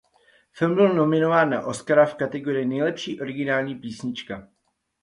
Film byl nominován na Oscara v kategorii Nejlepší originální písnička.